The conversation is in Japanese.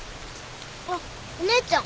あっお姉ちゃん。